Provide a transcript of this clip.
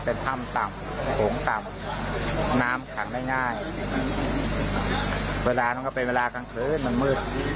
แต่ถ้ำต่ำโขงต่ำน้ำขังได้ง่ายเวลามันก็เป็นเวลากลางคืนมันมืด